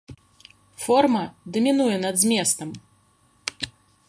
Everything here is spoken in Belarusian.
Форма дамінуе над зместам.